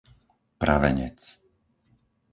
Pravenec